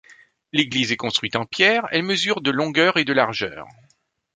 L'église est construite en pierre, elle mesure de longueur et de largeur.